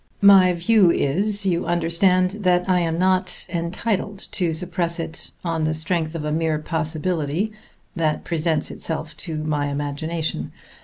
My view is, you understand, that I am not entitled to suppress it on the strength of a mere possibility that presents itself to my imagination.